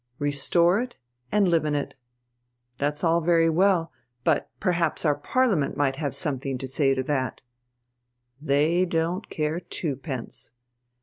Restore it, and live in it. That's all very well. But perhaps our Parliament might have something to say to that. They don't care twopence.